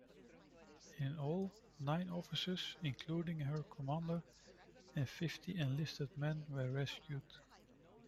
In all, nine officers, including her commander, and fifty enlisted men were rescued.